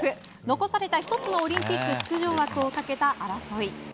残された１つのオリンピック出場枠をかけた争い。